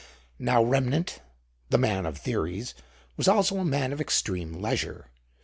Now Remnant, the man of theories, was also a man of extreme leisure.